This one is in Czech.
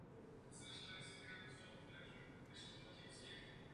Tyson se narodil v New Yorku jako druhý ze tří dětí.